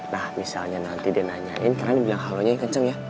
nah misalnya nanti dia nanyain karena dibilang halonya kenceng ya